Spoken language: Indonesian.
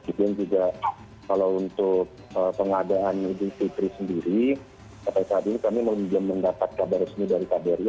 kemudian juga kalau untuk pengadaan idul fitri sendiri sampai saat ini kami belum mendapat kabar resmi dari kbri